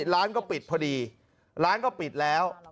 ร้านก็ปิดพอดีร้านก็ปิดแล้ว